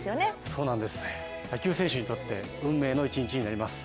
そうなんです、野球選手にとって運命の一日となります。